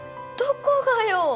どこがよ？